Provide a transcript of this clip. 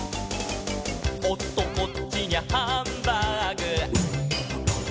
「おっとこっちにゃハンバーグ」